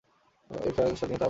আর এই ফ্রাঁস স্বাধীনতার আবাস।